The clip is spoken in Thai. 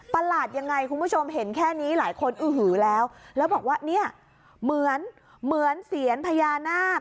ประหลาดยังไงคุณผู้ชมเห็นแค่นี้หลายคนอื้อหือแล้วแล้วบอกว่าเนี่ยเหมือนเหมือนเซียนพญานาค